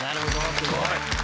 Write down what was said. すごい！